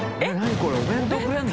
これお弁当くれるの？